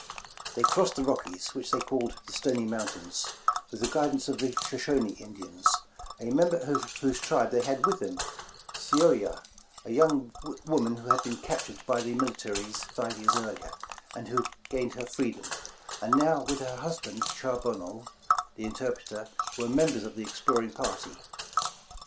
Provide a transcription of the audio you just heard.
" They crossed the Rockies, which they called "the Stony Mountains," with the guidance of the Shoshoni Indians, a member of whose tribe they had with them, Saeojawea, a young woman who had been captured by 148 A Vision the Miiiitarees five years earlier, and who had gained her freedom, and now with her husband, Charbonneau, the interpreter, were members of the exploring party.